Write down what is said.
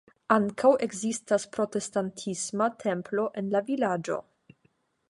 Ankaŭ ekzistas protestantisma templo en la vilaĝo.